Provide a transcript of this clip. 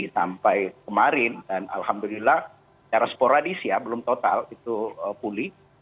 sampai kemarin dan alhamdulillah secara sporadis ya belum total itu pulih